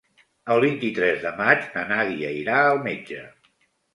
El vint-i-tres de maig na Nàdia irà al metge.